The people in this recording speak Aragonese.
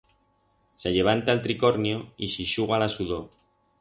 Se llevanta el tricornio y se ixuga la sudor.